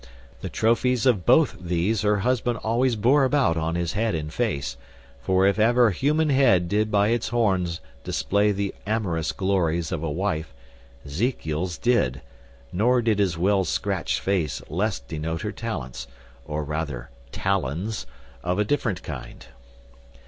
The trophies of both these her husband always bore about on his head and face; for if ever human head did by its horns display the amorous glories of a wife, Zekiel's did; nor did his well scratched face less denote her talents (or rather talons) of a different kind.